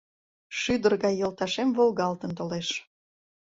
Шӱдыр гай йолташем волгалтын толеш.